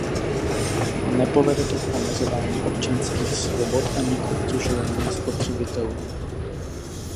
Nepovede to k omezování občanských svobod ani k obtěžování spotřebitelů.